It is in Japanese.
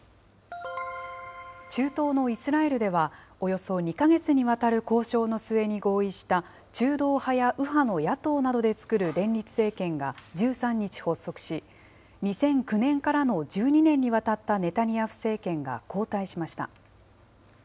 中東のイスラエルでは、およそ２か月にわたる交渉の末に合意した、中道派や右派の野党などで作る連立政権が１３日発足し、２００９年からの１２年にわたったネタニヤフ政権が交代しました。